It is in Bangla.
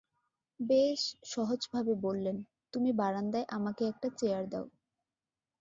বেশ সহজভাবে বললেন, তুমি বারান্দায় আমাকে একটা চেয়ার দাও।